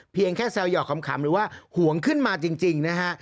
เพียงแค่แซวหยอกขำหรือว่าห่วงขึ้นมาจริงนะฮะ